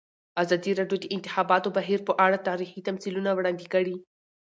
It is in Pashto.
ازادي راډیو د د انتخاباتو بهیر په اړه تاریخي تمثیلونه وړاندې کړي.